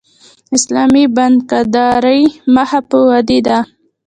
اسلامي بانکداري مخ په ودې ده